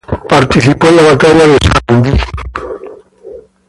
Participó en la batalla de Sarandí.